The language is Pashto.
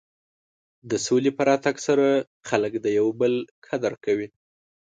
د سولې په راتګ سره خلک د یو بل قدر کوي.